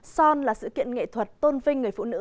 son là sự kiện nghệ thuật tôn vinh người phụ nữ